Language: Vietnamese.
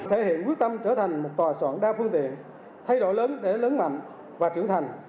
thể hiện quyết tâm trở thành một tòa soạn đa phương tiện thay đổi lớn để lớn mạnh và trưởng thành